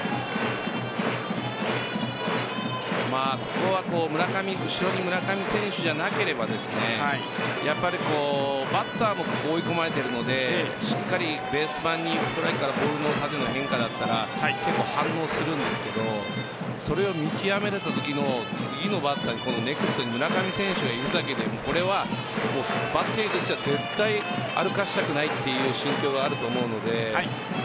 ここは後ろに村上選手じゃなければバッターも追い込まれているのでしっかりベース盤に縦の変化だったら反応するんですけどそれを見極めたときの次のバッターに村上選手がいるだけでバッテリーとしては絶対歩かせたくないという状況があると思うので。